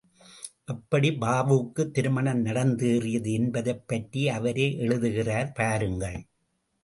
எப்படி பாபுவுக்குத் திருமணம் நடந்தேறியது என்பதைப் பற்றி அவரே எழுதுகிறார் பாருங்கள்.